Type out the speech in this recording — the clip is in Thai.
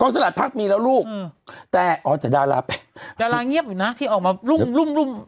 สลัดพักมีแล้วลูกแต่อ๋อแต่ดาราเป็นดาราเงียบอยู่นะที่ออกมารุ่มรุ่มรุ่ม